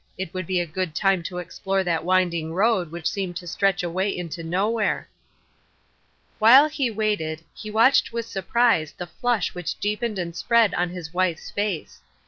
It would be a good time to explore that winding road which seemed to stretch away into nowhere." While he waited, he watched with surprise the flush which deepened and spread on his wife's face.